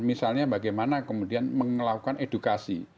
misalnya bagaimana kemudian melakukan edukasi